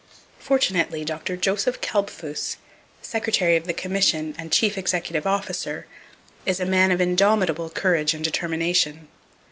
Fortunately Dr. Joseph Kalbfus, Secretary of the Commission and chief executive officer, is a man of indomitable courage and determination.